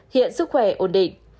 hiện sức khỏe ổn định